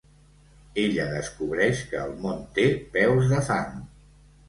Ella descobreix que el món té peus de fang.